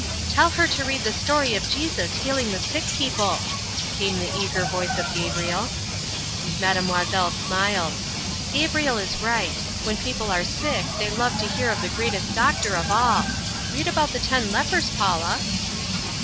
"Tell her to read the story of Jesus healing the sick people," came the eager voice of Gabriel. Mademoiselle smiled, "Gabriel is right. When people are sick they love to hear of the greatest doctor of all. Read about the ten lepers, Paula."